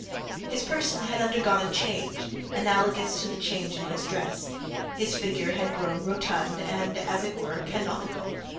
His person had undergone a change, analogous to the change in his dress; his figure had grown rotund and, as it were, canonical.